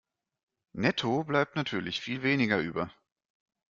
Netto bleibt natürlich viel weniger über.